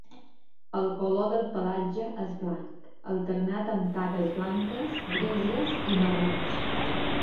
El color del pelatge és blanc, alternat amb taques blanques, grises i marrons.